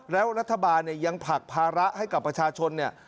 แล้วรัฐบาลยังผลักภาระให้กับประชาชน